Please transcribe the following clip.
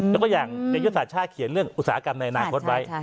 แล้วก็อย่างในยุทธศาสตร์ชาติเขียนเรื่องอุตสาหกรรมในอนาคตไว้